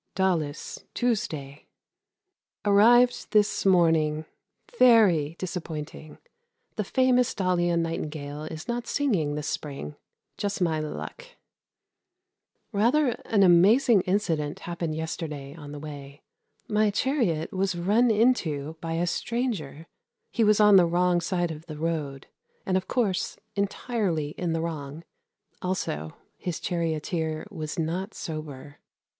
Daulis, Tuesday. Arrived this morning. Very disappointing; the famous Daulian nightingale is not singing this spring. Just my luck. Rather an amazing incident happened yesterday on the way. My chariot was run into by a stranger. He was on the wrong side of the road, and, of course, entirely in the wrong. Also, his charioteer was not sober.